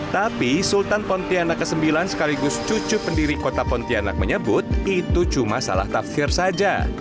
tapi sultan pontianak ix sekaligus cucu pendiri kota pontianak menyebut itu cuma salah tafsir saja